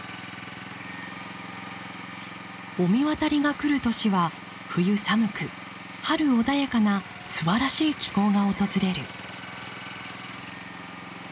御神渡りが来る年は冬寒く春穏やかな諏訪らしい気候が訪れる。